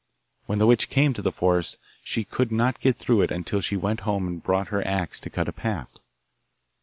When the witch came to the forest she could not get through it until she went home and brought her axe to cut a path.